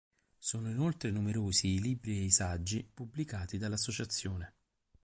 Sono inoltre numerosi i libri e i saggi pubblicati dall'associazione.